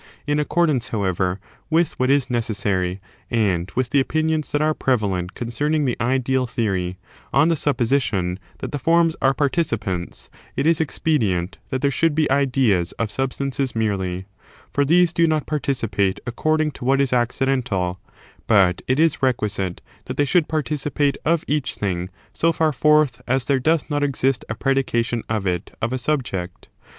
In accord ance, however, with what is necessary, and with the opinions that are prevalent concerning the Ideal Theory, on the suppo sition that the forms are participants, it is expedient that there should be ideas of substances merely; for these do not participate according to what is accidental, but it is requisite that they should participate of each tibing so far forth as there doth not exist a predication of it of a subject.